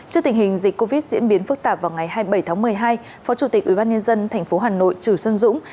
trước tình hình dịch covid diễn biến phức tạp vào ngày hai mươi bảy tháng một mươi hai phó chủ tịch ubnd tp hà nội trừ xuân dũng